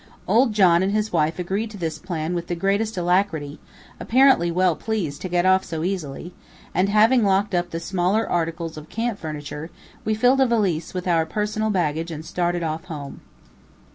Old John and his wife agreed to this plan with the greatest alacrity, apparently well pleased to get off so easily; and, having locked up the smaller articles of camp furniture, we filled a valise with our personal baggage and started off home.